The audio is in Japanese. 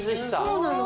そうなの。